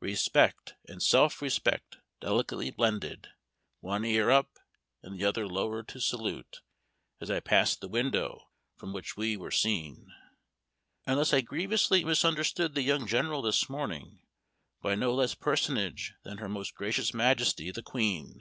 Respect and self respect delicately blended; one ear up, and the other lowered to salute, as I passed the window from which we were seen (Unless I grievously misunderstood the young General this morning,) by no less a personage than her Most Gracious Majesty THE QUEEN.